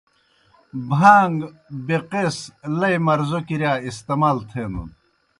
بھان٘گ بیقیس لئی مرضو کِرِیا استعمال تھینَن۔